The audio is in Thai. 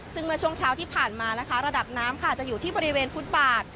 ซึ่งเมื่อช่วงเช้าที่ผ่านมานะคะระดับน้ำค่ะจะอยู่ที่บริเวณฟุตบาท